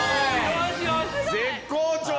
絶好調だ！